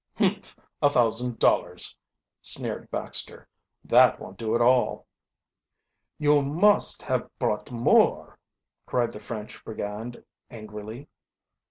"Humph, a thousand dollars!" sneered Baxter. "That won't do at all." "You must haf brought more!" cried the French brigand angrily.